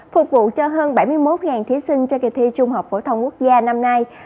phục vụ cho hơn bảy mươi một thí sinh cho kỳ thi trung học phổ thông quốc gia năm nay